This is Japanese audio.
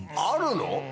あるの⁉